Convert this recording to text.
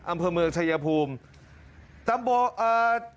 อำเภอเมืองชายภูมิ